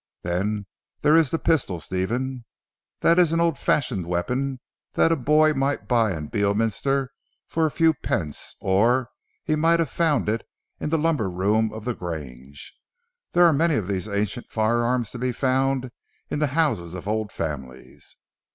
Then there is the pistol Stephen. That is an old fashioned weapon that a boy might buy in Beorminster for a few pence, or he might have found it in the lumber room of the Grange there are many of these ancient firearms to be found in the houses of old families.